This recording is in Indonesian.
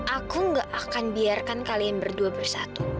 aku gak akan biarkan kalian berdua bersatu